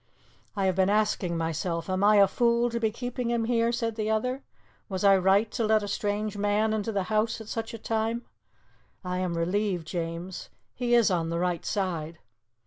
"I have been asking myself: am I a fool to be keeping him here?" said the other. "Was I right to let a strange man into the house at such a time? I am relieved, James. He is on the right side."